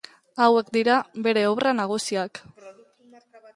Hauek dira bere obra nagusiak.